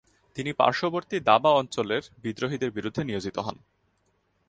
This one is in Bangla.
তিনি পার্শ্ববর্তী দাবা অঞ্চলের বিদ্রোহীদের বিরুদ্ধে নিয়োজিত হন।